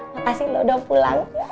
makasih udah pulang